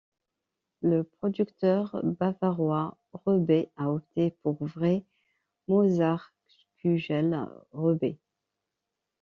Le producteur bavarois Reber a opté pour Vrai Mozartkugel Reber.